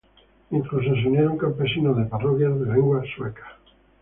Incluso se unieron campesinos de parroquias de lengua sueca.